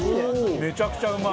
めちゃくちゃうまい！